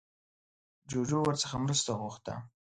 جوجو ورڅخه مرسته وغوښته